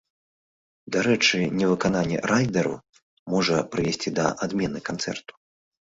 Дарэчы, невыкананне райдэру можа прывесці да адмены канцэрту.